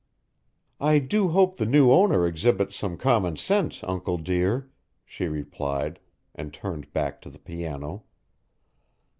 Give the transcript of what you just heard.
"I do hope the new owner exhibits some common sense, Uncle dear," she replied, and turned back to the piano.